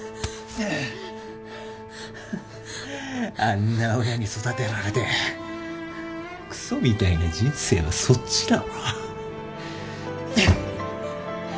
あんな親に育てられてくそみたいな人生はそっちだろ。